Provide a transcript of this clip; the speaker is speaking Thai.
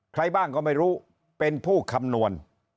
ใครบ้างก็ไม่รู้เป็นผู้คำนวณ